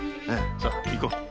さあ行こう。